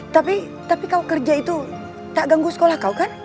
tapi tapi kalau kerja itu tak ganggu sekolah kau kan